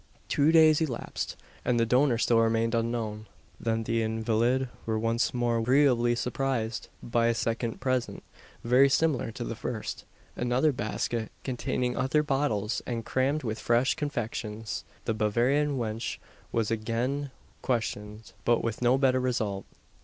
Two days elapsed, and the donor still remained unknown. Then the invalid was once more agreeably surprised, by a second present very similar to the first another basket, containing other bottles, and crammed with fresh "confections." The Bavarian wench was again questioned; but with no better result.